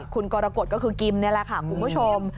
คุณกรกฎก็คือกิมนี่แหละค่ะคุณผู้ชม